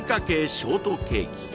ショートケーキ